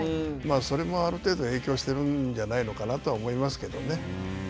それもある程度影響してるんじゃないのかなと思いますけどね。